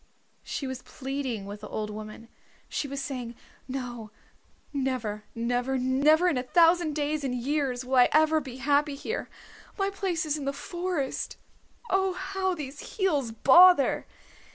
She was pleading with the old woman. She was saying, "No, never, never, never, in a thousand days and years will I ever be happy here. My place is in the forest. Oh, how these heels bother!"